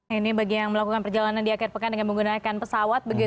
ini bagi yang melakukan perjalanan di akhir pekan dengan menggunakan pesawat